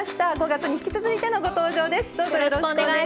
５月に引き続いてのご登場です。